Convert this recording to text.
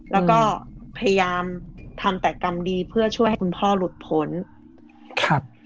แล้วก็พยายามทำแต่กรรมดีเพื่อช่วยให้คุณพ่อหลุดพ้นครับ